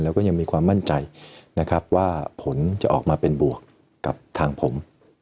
แล้วก็ยังมีความมั่นใจนะครับว่าผลจะออกมาเป็นบวกกับทางผม